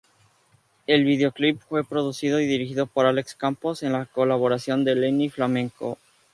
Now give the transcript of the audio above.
El videoclip fue producido y dirigido por Alex Campos, en colaboración de Lenny Flamenco.